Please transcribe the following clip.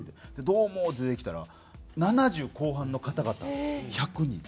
「どうも！」って出てきたら７０後半の方々１００人。